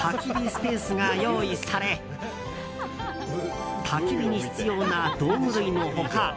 スペースが用意されたき火に必要な道具類の他